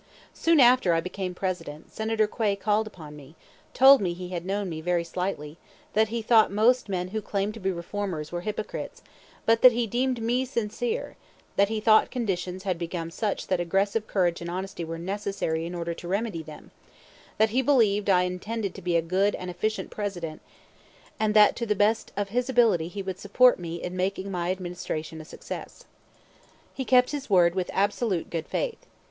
Soon after I became President, Senator Quay called upon me, told me he had known me very slightly, that he thought most men who claimed to be reformers were hypocrites, but that he deemed me sincere, that he thought conditions had become such that aggressive courage and honesty were necessary in order to remedy them, that he believed I intended to be a good and efficient President, and that to the best of his ability he would support me in it making my Administration a success. He kept his word with absolute good faith.